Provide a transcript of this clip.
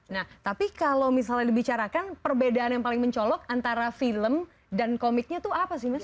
nah tapi kalau misalnya dibicarakan perbedaan yang paling mencolok antara film dan komiknya tuh apa sih mas